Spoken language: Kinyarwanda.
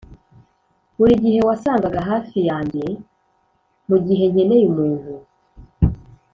buri gihe wasangaga hafi yanjye mugihe nkeneye umuntu.